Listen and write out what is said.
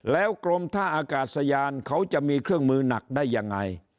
แล้วกรมท่าอากาศยานเขาจะมีเครื่องมือหนักได้ยังไง